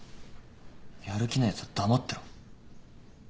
やる気ないやつは黙ってろ。